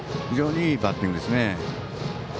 非常にいいバッティングですね。